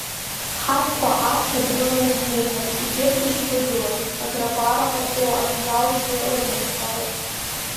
Ҳаҭхәа аԥхьа дгыланы днеиуан, егьырҭ ишьҭагылан, аграпара ҟаҵо, аинрал имҩа ырманшәало.